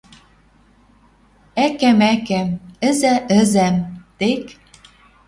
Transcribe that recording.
«Ӓкӓ-ӓкӓм», «ӹзӓ-ӹзӓм» тек